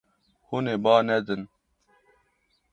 Hûn ê ba nedin.